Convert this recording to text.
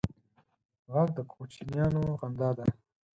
غږ د کوچنیانو خندا ده